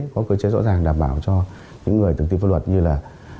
có cơ chế rõ ràng đảm bảo cho những người thực thi pháp luật như là